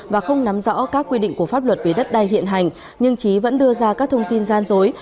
và không nắm rõ các quy định của pháp luật về đất đai hiện hành nhưng trí vẫn đưa ra các thông tin gian dối